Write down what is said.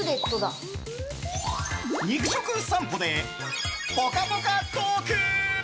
肉食さんぽでぽかぽかトーク！